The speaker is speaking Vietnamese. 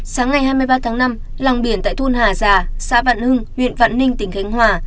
sáng ngày hai mươi ba tháng năm lòng biển tại thôn hà già xã vạn hưng huyện vạn ninh tỉnh khánh hòa